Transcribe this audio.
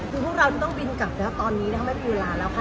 คือพวกเราต้องบินกันแล้วตอนนี้ไม่มีเวลาแล้วคะ